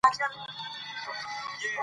قانون د مشروع عمل حدود روښانه کوي.